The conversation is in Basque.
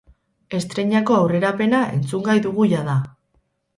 Estreinako aurrerapena entzungai dugu jada!